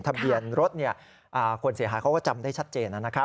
ทะเบียนรถคนเสียหายเขาก็จำได้ชัดเจนนะครับ